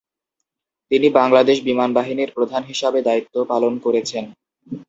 তিনি বাংলাদেশ বিমান বাহিনীর প্রধান হিসাবে দায়িত্ব পালন করেছেন।